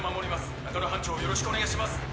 中野班長をよろしくお願いします